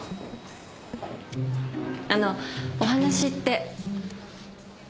あのお話って？